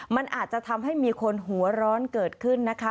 มันอาจจะทำให้มีคนหัวร้อนเกิดขึ้นนะคะ